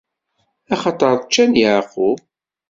Axaṭer ččan Yeɛqub.